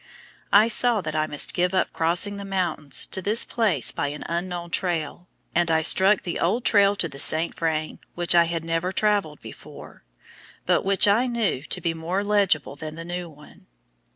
I saw that I must give up crossing the mountains to this place by an unknown trail; and I struck the old trail to the St. Vrain, which I had never traveled before, but which I knew to be more legible than the new one.